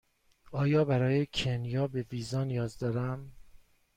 آیا برای کنیا به ویزا نیاز دارم؟